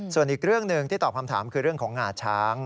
ส่วนอีกเรื่องหนึ่งที่ตอบคำถามคือเรื่องของงาช้าง